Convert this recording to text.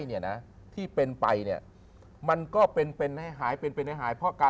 เนี่ยนะที่เป็นไปเนี่ยมันก็เป็นเป็นให้หายเป็นเป็นให้หายเพราะการ